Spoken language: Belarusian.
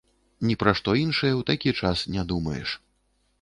Ні пра што іншае ў такі час не думаеш.